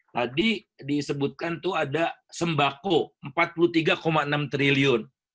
tadi disebutkan tuh ada sembako rp empat puluh tiga enam triliun